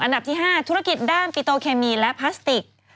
อันดับที่๕ธุรกิจด้านปิโตเคมีและพลาสติก